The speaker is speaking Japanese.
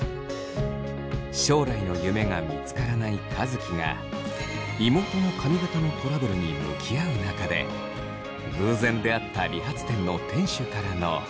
将来の夢が見つからない和樹が妹の髪形のトラブルに向き合う中で偶然出会った理髪店の店主からの。